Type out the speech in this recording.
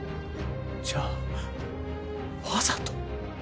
じゃあわざと？